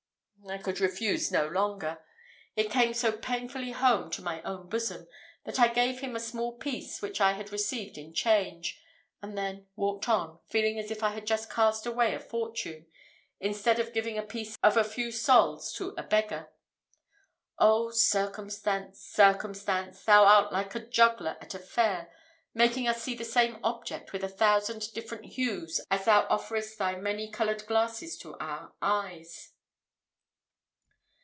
I could refuse no longer. It came so painfully home to my own bosom, that I gave him a small piece which I had received in change, and then walked on, feeling as if I had just cast away a fortune, instead of giving a piece of a few sols to a beggar. Oh, circumstance! circumstance! thou art like a juggler at a fair, making us see the same object with a thousand different hues as thou offerest thy many coloured glasses to our eyes.